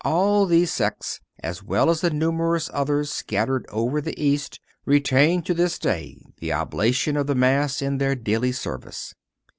All these sects, as well as the numerous others scattered over the East, retain to this day the oblation of the Mass in their daily service.